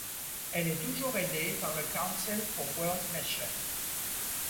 Elle est toujours aidée par le Council for World Mission.